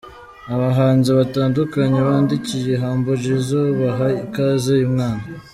Abahanzi batandukanye bandikiye Humble Jizzo baha ikaze uyu mwana.